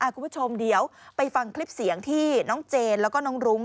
คุณผู้ชมเดี๋ยวไปฟังคลิปเสียงที่น้องเจนแล้วก็น้องรุ้ง